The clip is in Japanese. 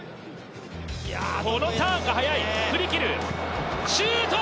このターンが速い振り切るシュート！